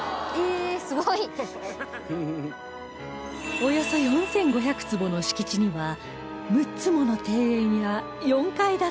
およそ４５００坪の敷地には６つもの庭園や４階建ての屋敷